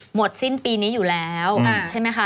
หมดสิ้นปีนี้อยู่แล้วใช่ไหมคะ